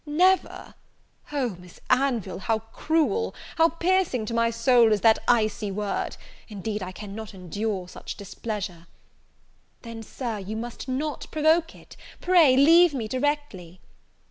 "Never! O, Miss Anville, how cruel, how piercing to my soul is that icy word! Indeed I cannot endure such displeasure." "Then, Sir, you must not provoke it. Pray leave me directly."